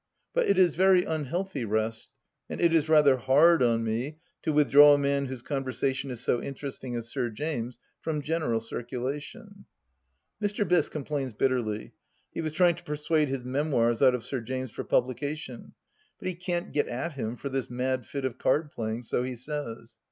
But it is very unhealthy rest, and it is rather hard on me to withdraw a man whose con versation is so interesting as Sir James' from general circulation 1 Mr. Biss complains bitterly ; he was trying to persuade his memoirs out of Sir James for publication, but he can't get at him for this mad fit of card playing, so he says.